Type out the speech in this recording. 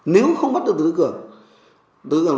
nếu không bắt được từ đức cường